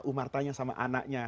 umar tanya sama anaknya